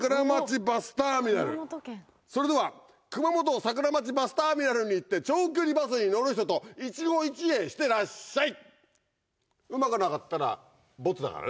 それでは熊本桜町バスターミナルに行って長距離バスに乗る人と一期一会してらっしゃい！